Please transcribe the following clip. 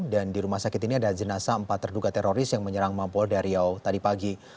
dan di rumah sakit ini ada jenazah empat terduga teroris yang menyerang mampol dari riau tadi pagi